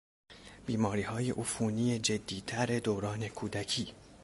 بیماریهای عفونی جدیتر دوران کودکی